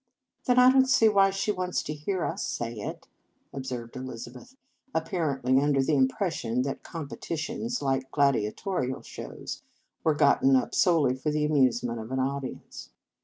" Then I don t see why she wants to hear us say it," observed Elizabeth, apparently under the impression that competitions, like gladiatorial shows, were gotten up solely for the amuse ment of an audience.